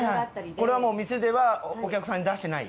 これはもう店ではお客さんに出してない？